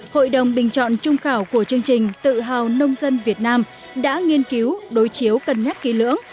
hội đồng bình chọn trung khảo của chương trình tự hào nông dân việt nam đã nghiên cứu đối chiếu cân nhắc kỹ lưỡng